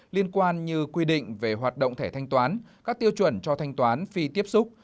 liên quan như quy định về hoạt động thẻ thanh toán các tiêu chuẩn cho thanh toán phi tiếp xúc